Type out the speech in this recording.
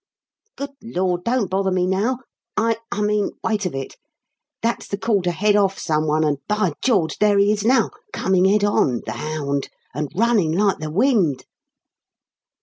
"Good Lord, don't bother me now! I I mean, wait a bit. That's the call to 'head off' someone, and By George! There he is now, coming head on, the hound, and running like the wind!"